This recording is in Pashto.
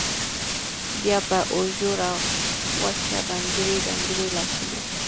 بیا په اوږو راوچوه بنګړي بنګړي لاسونه